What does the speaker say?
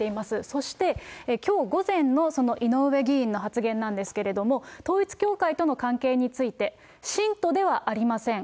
そして、きょう午前のその井上議員の発言なんですけれども、統一教会との関係について、信徒ではありません。